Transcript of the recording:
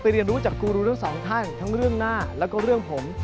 เรียนรู้จากกูรูทั้งสองท่านทั้งเรื่องหน้าแล้วก็เรื่องผม